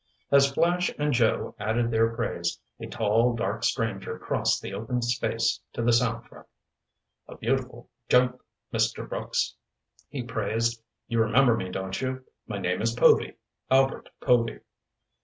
As Flash and Joe added their praise, a tall, dark stranger crossed the open space to the sound truck. "A beautiful jump, Mr. Brooks," he praised. "You remember me, don't you? My name is Povy—Albert Povy."